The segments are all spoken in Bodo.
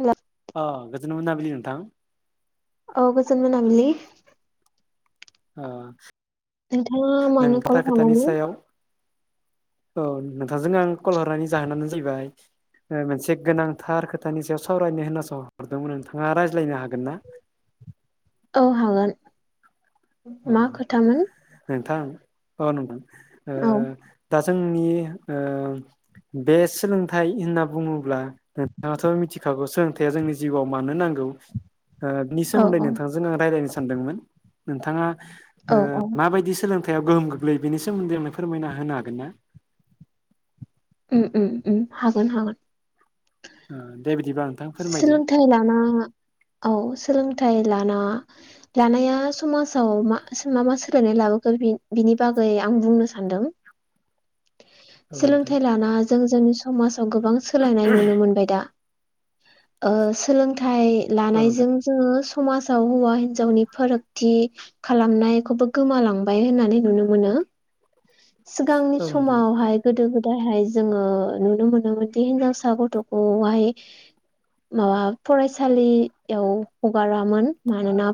हेल' अ गोजोन मोनाबिलि नोंथां औ गोजोन मोनाबलि नोंथाङा नों मानो कल खोथा खोथानि खालामामोन सायाव औ नोंथांजोंनो आं कल हरनायनि जाहोनानो जाहैबाय - मोनसे गोनांथार खोथानि सायाव सावरायनो होनासहरदोंमोन नोंथाङा रायज्लायनो हागोन ना? औ हागोन मा खोथामोन नोंथां औ नंगौ औ जोंनि ओ बे सोलोंथाइ होनना बुङोब्ला नोंथाङाथ मिथिखागौ सोलोंथाइया जोंनि जिउआव मानो नांगौ गौ बिनि औ सोमोन्दै औ नोंथांजों आं रायज्लायनो सानदोंमोन नोंथाङा औ औ माबायदि सोलों गोहोम गोग्लैयो बेनि सोमोन्दै आंनो फोरमायना होनो हागोन ना उम उम हागोन हागोन। [inaudible] नोंथां फोरमायदो। सोलोंथाइ लाना औ सोलोंथाइ लाना लानाया समाजाव मा मा सोलायनाय लाबोगोन बिनि बागै आं बुंनो सानदों। औ नोंथां सोलोंथाइ लाना जों जोंनि समाजाव गोबां सोलायनाय नुनो मोनबाय दा। ओ सोलोंथाइ औ लानायजों नोंथां जोङो समाजाव हौवा हिन्जावनि फारागथि खालामनायखौबो गोमालांबाय होननानै नुनो मोनो। सिगांनि औ नोंथां समावहाय गोदो गो दायहाय जोङो नुनो मोनोमोनदि हिनजावसा गथखौहाय माबा फरायसालियाव हगारामोन मानोना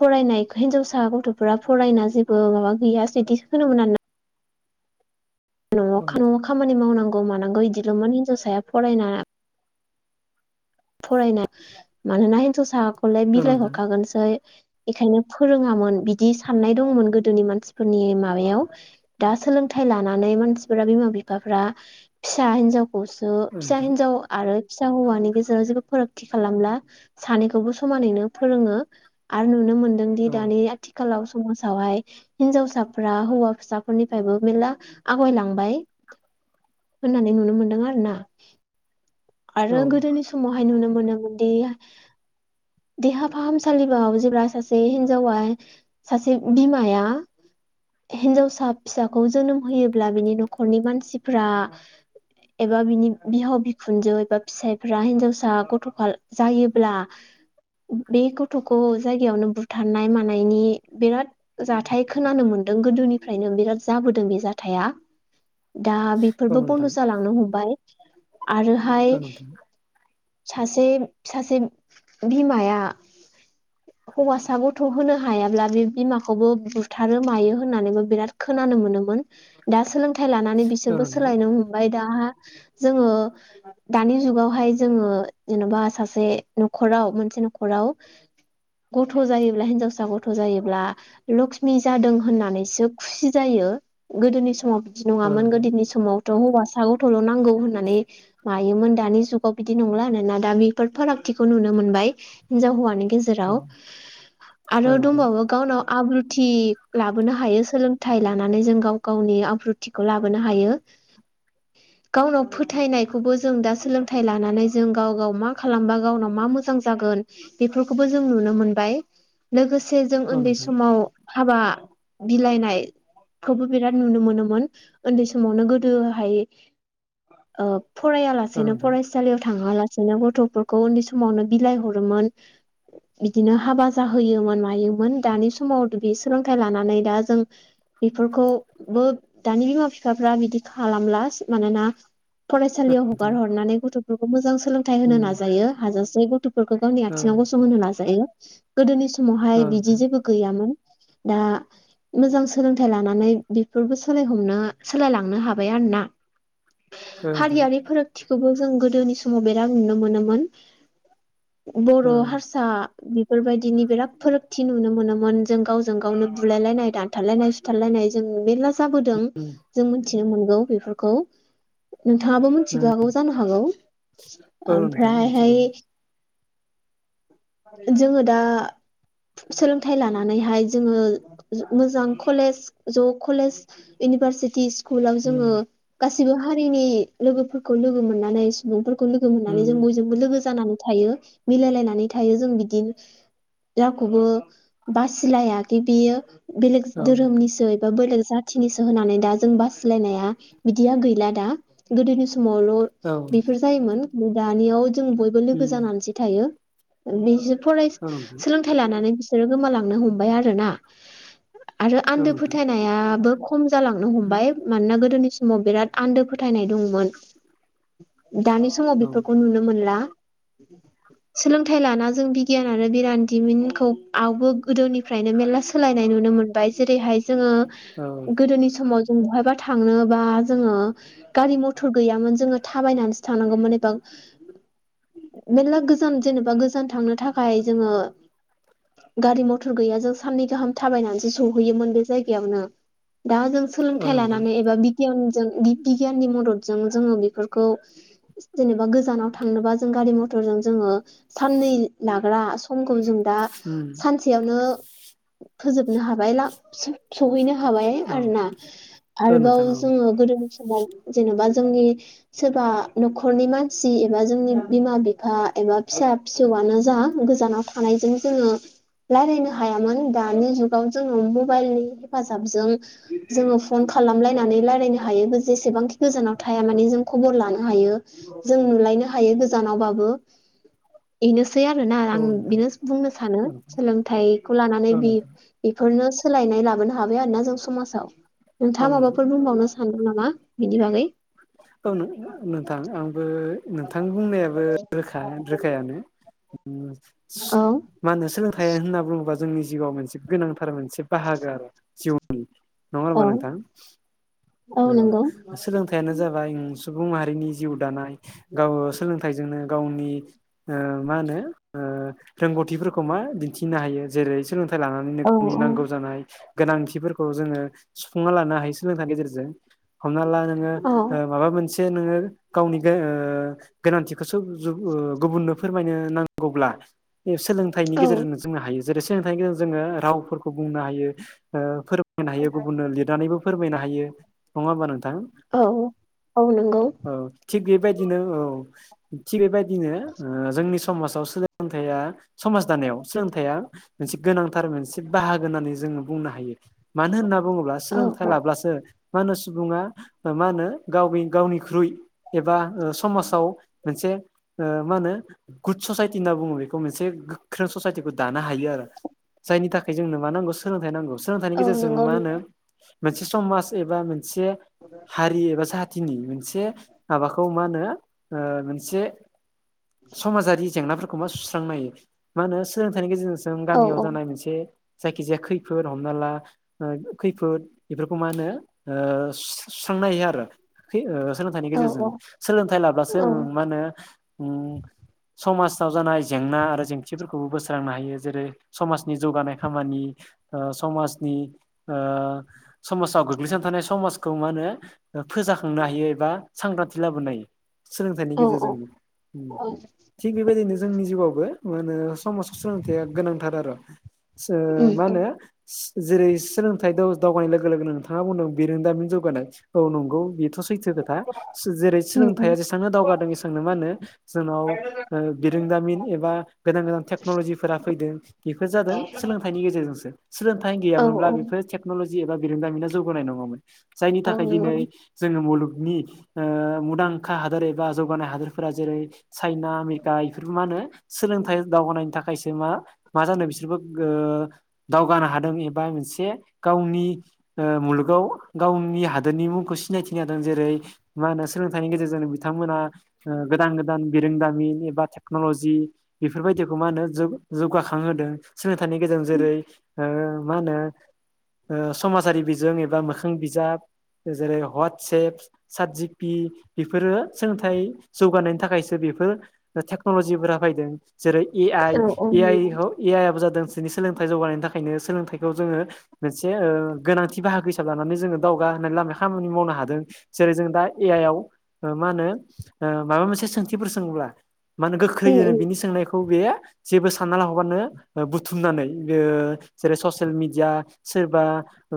फरायनाय हिनजावसा गथ'फोरा फरायना जेबो माबा गैया बिदि होनोमोन आरोना। न' औ नोंथां न'आव खामानि मावनांगौ मानांगौ बिदिल'मोन हिनजावसाया फरायना फरायनो मानोना हिनजावसाखौलाय औ बिलाइ नोंथां हरखागोनसै बेखायनो फोरोङामोन बिदि साननाय दंमोन गोदोनि मानसिफोरनि माबायाव दा सोलोंथाइ लानानै मानसिफ्रा बिमाबिफाफ्रा फिसा हिनजाव खौसो औ फिसा नोंथां हिनजाव आरो फिसा हौवानि गेजेर जेबो फारागथि खालामला सानैखौबो समानैनो फोरोङो आरो नुनो मोन दोंदि औ दानिआथि खालाव समाजावहाय हिनजावसाफ्रा हौवासाफोरनिफ्रायबो मेरला आगायलांबाय। होननानै नुनो मोनदों आरो ना आरो औ गोदोनि सम नुनो मोनो मोनादि देहा फाहामसालिबाव जेब्ला सासे हिनजावा सासे बिमाया हिनजावसा फिसाखौ जोनोम होयोब्ला बिनि न'खरनि मानसिफ्रा एबा बिनि बिहाव बिखुनजो एबा फिसाइफोरा रा हिनजावसा गथ'फाल जायोब्ला बे गथ'खौ जायगायावनो बुथारनाय मानायनि बिराद जाथाय खोनानो मोन दों गोदोनिफ्रायनो बिराद जाबोदों बे जाथाया दा औ बेफोरबो नोंथां बन्द' जालांनो हमाय आरोहाय औ नोंथां सासे सासे बिमाया हौवासा गथ' होनो हायाब्ला बे बिमाखौबो बुथारो मायो होननानैबो बिराद खोनानो मोनोमोन दा सोलों थाइ लानानै औ बिसोरबो नोंथां सोलायनो हमबाय दा जोङो दानि जुगावहाय जोङो जेन'बा सासे न'खराव मोनसे न'खराव गथ' जायोब्ला हिनजावसा गथ' जायोब्ला लक्ष्मि जादों होननानैसो खुसि जायो। यो गोदोनि समाव बिदि औ नङामोन नोंथां गोदोनि समावथ' हौवासा गथ'ल' नांगौ होननानै मायोमोन दानि जुग गाव बिदि नंला आरोना दा बेफोर फारागथिखौ नुनो मोनबाय हिनजाव हौवानि गे औ नोंथां गेजेराव औ आरो नोंथां दंबावो गावनाव आब्रुथि लाबोनो हायो सोलोंथाइ लानानै जों गाव गावनि आब्रुथिखौ लाबोनो हायो। गावनाव फोथायनायखौबो जों दा सोलों थाइ लानानै जों गाव गाव मा खालामबा गावनाव मा मोजां जागोन बेफोरखौबो जों नुनो मोनबाय। लोगोसे जों औ उन्दै समाव हाबा बिलाइनाय खौबो बिराद नुनो मोनोमोन उन्दै समावनो गोदोहाय ओ नोंथां औ फरायालासेनो फराइसालियाव थाङालासेनो गथ'फोरखौ उन्दै समावनो बिलाइ हरोमोन। बिदिनो हाबा जाहोयोमोन मायोमोन दानि समाव बे सोलोंथाइ लानानै दा जों बेफोरखौबो दानि बिमा बिफाफ्रा बिदि खालामला मानोना फरायसालियाव नोंथां हगार हर गथ'फोरखौ मोजां सोलोंथाइ होनो उम नाजायो हाजासे गथ'फोरखौ गावनि औ आथिङाव गसंहोनो नाजायो। गोदोनि समावहाय औ बिदि नोंथां जेबो गैयामोन दा मोजां सोलोंथाइ लानानै बेफोरबो सोलाय हमनो सोलायलांनो हाबाय आरोना। औ नोंथां औ हारियारि फोर थिखौबो जों गोदोनि समाव बिराद नुनो मोनोमोन बर' उम हारसा बेफोरबायदिनि बिराद फारागथि नुनो मोनोमोन जों गावजों गावनो बुलायलायनाय दानथारलायनाय सुथारलायनाय जों मेला जाबोदों जों मोनथिनो मोनगौ बिफोरखौ उम मिथियाबो जानो हागौ औ नोंथां मफ्रायहाय मिथिगौ जोङो दा सोलोंथाइ लानानैहाय जोङो मोजां कलेज ज' कलेज इउनिभारसिटि स्कुलाव जोङो उम गासिबो हारिनि लोगोफोरखौ लोगो मोननानै सुबुंफोर खौलोगो मोननानै उम जों बयजोंबो लोगो जानानै थायो मिलायलायनानै थायो जों बिदिनो रावखौबो बासिलायादि बियो बेलेग औ धोरोमनिसो बा बेलेग जाथिनिसो होनानै दा जों बासिलायनाया बिदिया गैला दा गोदोनि सम समावल औ बेफोर जायोमोन दानियाव जों बयबो लोगो उम जानानैसो थायो बिसोर फराय औ नोंथां सोलोंथाइ लानानै बिसोरो गोमालांनो हमबाय आरोना आरो औ आन्दो नोंथां फोथायनायाबो खम जालांनो हमबाय मानोना गोदोनि समाव बिराद आन्दो फोथायनाय दंमोन दानि समाव औ बेफोरखौ नुनो मोनला सोलोंथाइ लाना जों बिगियान आरो बिरान्दिमिनखौ आवबो गोदोनिफ्रायनो मेरला सोलायनाय नुनो नुनो मोनबाय जेरैहाय जोङो औ गोदोनि समाव जों बहायबा थांनो बा जोङो गारि मथर गैयामोन जोङो थाबायनानैसो थांनांगौमोन एबां मेरला गोजान जेनेबा गोजान थांनो थाखाय जोङो गारि मथर गैया जों साननै गाहाम थाबायनानैसो सहैयोमोन बे जायगायावनो दा जों औ सोलोंथाइ नोंथां लानानै एबा बिगियानजों बिगियाननि मदद जों जेनेबा गोजानाव थांनोबा जों गारि मथरजों जोङो दै लाग्रा समखौ जों दा उम सानसेयावनो फोजोबनो हाबाय ला स सहैनो हा हाबाय औ आरोना औ आरोबाव नोंथां औ जोङो गोदोनि समाव जेनेबा जोङो जोंनि सोरबा नखरनि मानसि एबा जोंनि बिमा बिफा एबा फिसा फिसौ मानो जा गोजानाव थानायजों जोङो रायलायनो हायामोन दानि जुगाव जोङो मबाइलनि हेफाजाबजों जोङो फन खालाम खालामलायनानै रायलायनो हायो जेसेबांखि गोजानाव थाया माने जों खबर लानो हायो जों नुलायनो हायो गोजानावबाबो इनोस सै आरोना औ आं बेनो नोंथां औ नोंथां बुंनो सानो औ सोलोंथायखौ लानानैनो बि‌ नोंथां बिफोरनो सोलायनाय लाबोनो हाबाय आरोना जों समाजाव औ नोंथाङा नोंथां माबाफोर बुंबावनो सानदों नामा बिनि बागै औ नोंथां आंबो नोंथांनि बुंनायाबो रोखा रोखायानो औ मा होनो सोलोंथाइ होनना बुङोबा जोंनि जिउआव मोनसे गोनांथार मोनसे बाहागो आरो जिउनि नङा होनबा औ नोंथां औ सोलोंथाइयानो जाबाय सुबुं माहारिनि जिउ दानाय गाव सोलोंथाइजोंनो गावनि ओ मा होनो ओ रोंगौथिफोरखौ मा दिन्थिनो हायो जेरै सोलोंथाय लानानैनो औ गावनि औ नांगौ जानाय गोनांथिफोरखौ जोङो सुफुंना लानो हायो सोलोंथाइनि गेजेरजों हमना ला नोङो‌ औ ओ माबा मोनसे नोङो गावनि गो ओ‌‌ गोनांथिखोसो जुग ओ गुबुननो फोरमायनो नांगौब्ला सोलोंथाइनि औ गेजेरजोंनो जोंनो हायो जेरै सोलोंथाइनि गेजेरजों जोङो रावफोरखौ बुंनो हायो ओ फोरबो फोरमायनो हायो गुबुननो लिरनानैबो फोरमायनो हायो नङा होमबा नोंथां नोंथां औ औ नंगौ औ थिग बेबायदिनो औ थिग बेबायदिनो दिनो ओ जोंनि समाजाव सोलोंथाइ या समाज दानायाव सोलोंथाइया मोनसे गोनांथार मोनसे बाहागो होननानै जों बुंनो हायो मानो होनना बुङोब्ला औ सोलोंथाइ औ लाब्लासो मा होनो सुबुङा मा होनो गाव गावनिख्रुइ एबा ओ समाजाव मोनसे ओ मा होनो गुड ससाइटि होनना बुङो बेखौ मोनसे गोख्रों ससाइटिखौ दा नो हायो आरो जायनि थाखाय जोंनो मा नांगौ सोलोंथाइ नांगौ सोलोंथाइनि औ गेजेरजों नंगौ मा होनो नंगौ मोनसे समाज एबा मोनसे हारि एबा खाथिनि मोनसे माबाखौ मा होनो ओ मोनसे समाजारि जेंनाफोरखौ मा सुस्रांनो हायो मा होनो सोलोंथाइनि गेजेरजों जों औ गामियाव औ जानाय मोनसे जायखिजाया खैफोद हमना ला ओ खैफोद बेफोरखौ मा होनो ओ सु सुस्रांनाय आरो। ओ सोलोंथाइनि औ गेजेरजों औ सोलोंथाइ लाब्लासो औ ओ मा होनो उम [inaudible] समाजाव जानाय जेंना आरो जेंथिफोरखौबो बोस्रांनो हायो जेरै समाजनि जौगानाय खामानि ओ समाजनि ओ समाजाव गोग्लैसोन थानाय समाजखौ मा होनो फोजाखांनो हायो एबा सांग्रांथि लाबोनो हायो सोलोंथाइनि औ गेजेरजोंनो औ थिग बेबायदिनो जोंनि जिउआव बो मा होन समाजाव सोलोंथया गोनांथार आरो उम मा होनो। जेरै सोलोंथाइ दावगानाय लोगो लोगोनो नोंथाङा बुंदों बिरोंदामिन जौगानाय औ नंगौ बेथ सैथो खोथा जेरै उम सोलोंथाइया उम जेसेबांनो दावगादों एसबांनो मा होनो जोंनाव ओ बिरोंदामिन एबा गोदान गोदान टेक्नलजिफोरा फैदों बेफोर जादों सोलोंथाइनि गेजेरजोंसो सोलोंथाइ औ गैयामोनब्ला औ बेफोर टेक्नलजि एबा बिरोंदामिना जौगानाय नङामोन जायनि औ थाखाय दिनै नंगौ जोङो मुलुग नि ओ मुंदांखा हादोर एबा जौगानाय हादोरफोरा जेरै चाइना आमेरिका इफोरखौ मा होनो सोलोंथाइ दावगानायनि थाखायसो मा मा जानो बिसोरबो ओ दावगानो हादों एबा मोनसे गावनि ओ मुलुगाव गावनि हादोरनि मुंखौ सिनायथिनो हादों जेरै मा होनो सोलोंथाइनि गेजेरजों बिथांमोन बिथांमोना गोदान गोदान बिरोंदामिन एबा टेक्नलजि बेफोरबायदिखौ मा होनो जुग जौगाखांहोदों सोलोंथाइनि गेजेरजों जेरै ओ मा होनो ओ समाजारि बिजों एबा मोखां बिजाब जेरै हवाटसेएप सातजपि बेफोरो सोलोंथाइ जौगानायनि थाखायसो बे बे टेक्नलजिफोरा फैदों जेरै ए आइ औ औ ए नंगौ आइआबो जादों। बिनि सोलोंथाइ जौगानायनि थाखायनो सोलोंथाइखौ जोङो मोनसे ओ गोनांथि बाहागो हिसाब लानानै जोङो दावगा होनाय लाम खामानि मावनो हादों जेरै जों दा ए आइ आव मा होनो माबा मोनसे सोंथिफोर सोङोब्ला मा होनो उम गोख्रैयोनो उम बिनि सोंनायखौ बे जेबो सानना ला हबानो बुथुमनानै ओ जेरै ससियेल मिडिया सोरबा ओ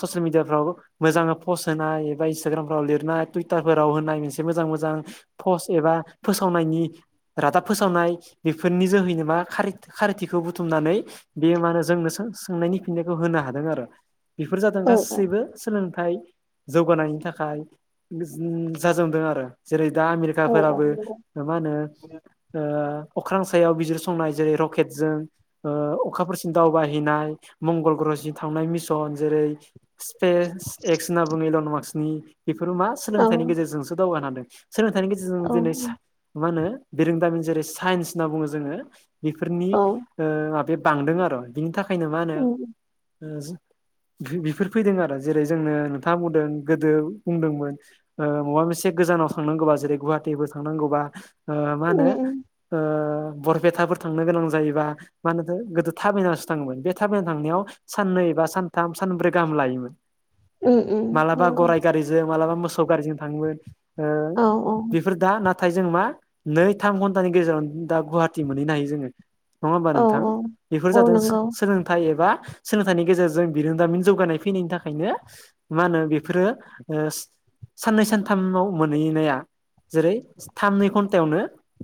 ससियेल मिडियाफ्राव मोजाङै पस्ट होनाय एबा इन्सटाग्रामफ्राव लिरनाय टुइटारफोराव होनाय मोनसे मोजां मोजां पस एबा फोसावनायनि रादाब फोसावनाय बेफोरनि जोहैनो मा खारथिखौ बुथुमनानै बे मा होनो जोंनो सों सोंनायनि फिननायखौ होनो हादों आरो। बेफोर जादों औ गासैबो सोलोंथाइ जौगानायनि थाखाय जाजोबदों आरो जेरै दा औ आमेरिकाफोराबो नंगौ मा होनो ओ अख्रां सायाव बिजिरसंनाय जेरै रकेट जों अखाफोरसिम दावबायहैनाय मंगल ग्रह जि थांनाय मिसन जेरै स्पेस एक्स होनना बुङो इलनमार्सनि बेफोरो मा औ सोलोंथाइनि गेजेरजोंसो दावगानो हादों सोलोंथाइनि गेजेरजों औ दिनै मा होनो बिरोंदामिन जेरै साइन्स होनना बुङो जोङो बेफोरनि औ ओ माबे बांदों आरो बिनि थाखायनो मा होनो उम ओ बेफोर फैदों आरो जेरै जोंनो नोंथाङा बुंदों गोदो बुंदोंमोन ओ माबा मोनसे एसे गोजानाव थांनांगौबा जेरै गुवाहाटिबो थांनांगौबा ओ मा होनो उम ओ बरपेटाफोर थांनो गोनां जायोबा मानोथो गोदो ताबिनासो थाङोमोन बे ताबिना थांनायाव साननै बा सान थाम सानब्रै गाहाम लायोमोन उम उम मालाबा नंगौ गराइ गारिजों मालाबा मोस सौ गारिजों थाङोमोन ओ औ बेफोर दा ना नाथाय जों मा नै थाम घन्टानि गेजेराव दा गुवाहाटि मोनहैनो हायो जोङो नङा होमबा औ नोंथां बेफोर औ औ जादों नंगौ सोलोंथाइ एबा सोलोंथाइनि गेजेरजों बिरोंदामिन जौगानाय फैनायनि थाखायनो मा होनो बेफोरो ओ साननै सानथामाव मोनहैनाया जेरै थामनै घन्टायावनो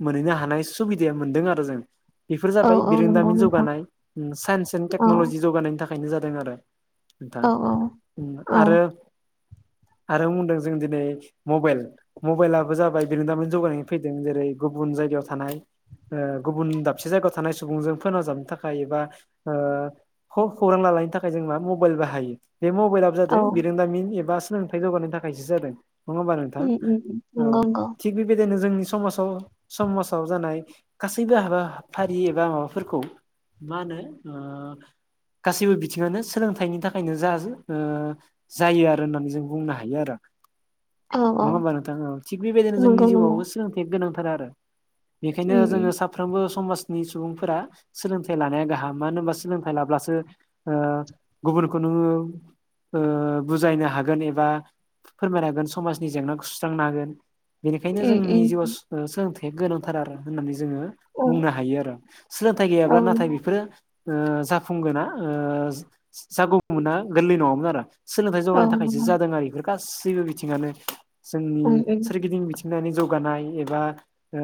मोनहैनो हानाय सुबिदाया मोनदों आरो जों बेफोर औ जाबाय औ नंगौ बिरोंदामिन नोंथां जौगानाय साइन्स एन्ड औ टेक्नलजि जौगानायनि थाखायनो जादों आरो नोंथां औ औ औ आरो आरो बुंदों जों दिनै मबाइल मबाइलाबो जाबाय बेनो दा माने जौगानाय फैदों जेरै गुबुन जायगायाव थानाय ओ गुबुन दाबसे जायगायाव थानाय सुबुंजों फोनांजाबनो थाखाय एबा ओ खौरां लानो लानाय नि थाखाय जों मा मबाइल बाहायो बे मबाइलाबो जादों औ बिरोंदामिन एबा सोलोंथाइ जौगानायनि थाखायसो जादों नङा होमबा नोंथां उम उम उम नंगौ औ नंगौ थिग बेबायदिनो जोंनि समाजाव समाजाव जानाय गासैबो हाबाफारि एबा माबाफोरखौ मा होनो ओ गासैबो बिथिं आनो सोलोंथाइनि थाखायनो जा ओ जायो आरो होननानै जों बुंनो हायो आरो औ औ नङा होमबा नोंथां औ थिग बेबायदिनो जोंनि नंगौ नंगौ जिउआवबो सोलोंथया गोनांथार आरो बेखायनो उम जोङो साफ्रोमबो समाजनि सुबुंफोरा सोलोंथाइ लानाया गाहाम मानो होनबा सोलोंथाइ लाब्लाबो गुबुनखौ नु ओ बुजायनो हागोन एबा फोरमायनो हागोन समाजनि जेंनाखौ सुस्रांनो हागोन बेनिखायनो उम जोंनि उम जिउआव उम सोलोंथाइया गोनांथार आरो होननानै जोङो औ बुंनो हायो आरो सोलोंथाइ गैयाब्ला औ नाथाय नंगौ। बेफोरो ओ जाफुंगोना ओ जागौमोनना गोरलै नङामोन आरो सोलोंथाइ औ जौगानायनि थाखायसो नंगौ जादों आरो बेफोर गासैबो बिथिं आनो जोंनि उम उम सोरगिदिं मिथिंगानि जौगानाय एबा ओ